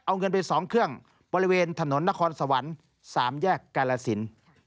เอาเงินไป๒เครื่องบริเวณถนนนครสวรรค์๓แยกกาลสิน